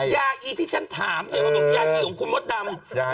ยาอีที่ฉันถามยาอีของคุณมดดำ